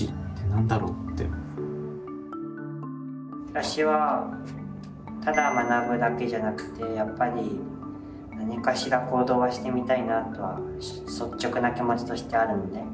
私はただ学ぶだけじゃなくてやっぱり何かしら行動はしてみたいなとは率直な気持ちとしてあるんで。